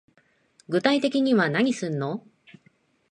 具体的には何すんの